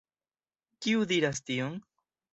Kiu diras tion?